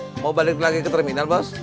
kau mau balik lagi ke terminal bos